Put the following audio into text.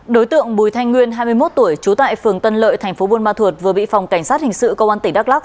đối tượng bùi thanh nguyên hai mươi một tuổi trú tại phường tân lợi thành phố buôn ma thuột vừa bị phòng cảnh sát hình sự công an tỉnh đắk lắc